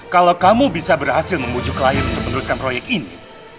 kalau kamu bisa berhasil membujuk klien untuk meneruskan proyek ini